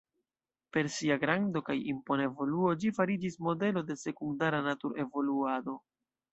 Per sia grando kaj impona evoluo ĝi fariĝis modelo de sekundara natur-evoluado.